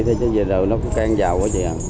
thế giờ nó cũng can dầu quá vậy ạ